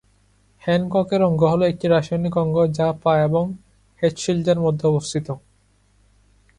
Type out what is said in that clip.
হ্যানককের অঙ্গ হল একটি রাসায়নিক অঙ্গ যা পা এবং হেডশিল্ডের মধ্যে অবস্থিত।